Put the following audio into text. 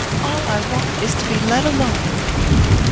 All I want is to be let alone."